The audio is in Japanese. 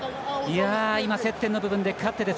今、接点の部分で勝って。